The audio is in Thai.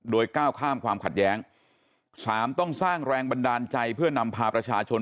โดยก้าวข้ามความขัดแย้งสามต้องสร้างแรงบันดาลใจเพื่อนำพาประชาชน